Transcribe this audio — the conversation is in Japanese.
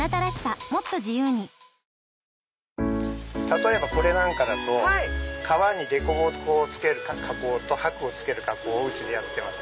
例えばこれなんかだと革にでこぼこをつける加工と箔を付ける加工をやってます。